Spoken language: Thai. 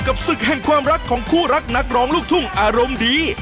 ศึกแห่งความรักของคู่รักนักร้องลูกทุ่งอารมณ์ดี